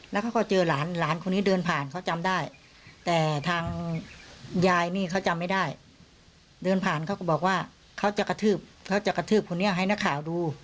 แล้วเขาก็เจอหลานหลานคนนี้เดินผ่านเขาจำได้แต่ทางยายนี่เขาจำไม่ได้เดินผ่านเขาก็บอกว่าเขาจะกระทืบเขาจะกระทืบคนนี้ให้นักข่าวดู